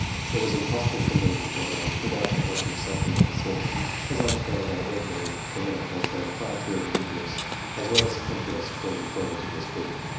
It was im possible for me to get on without the help of something of the sort, as I found our ordinary nomenclature far too ambiguous as well as cumbrous for employment in this book.